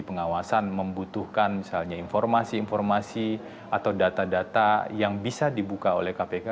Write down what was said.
pengawasan membutuhkan misalnya informasi informasi atau data data yang bisa dibuka oleh kpk